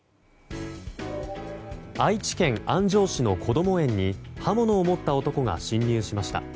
愛知県安城市のこども園に刃物を持った男が侵入しました。